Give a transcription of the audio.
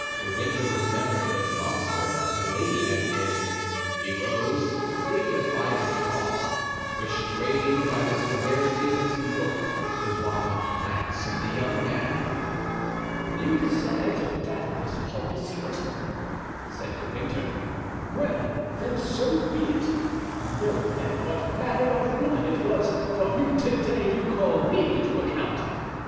De Winter remembered the monster that Milady had been; he rose, dignified and calm, restraining by the severity of his look the wild glance of the young man. "You desire to fathom this horrible secret?" said De Winter; "well, then, so be it. Know, then, what manner of woman it was for whom to day you call me to account.